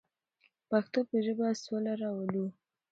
د پښتو په ژبه سوله راولو.